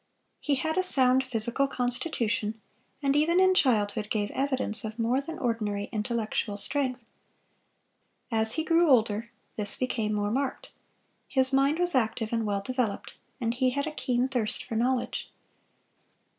He had a sound physical constitution, and even in childhood gave evidence of more than ordinary intellectual strength. As he grew older, this became more marked. His mind was active and well developed, and he had a keen thirst for knowledge.